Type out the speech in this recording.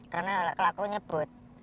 karena kalau aku nyebut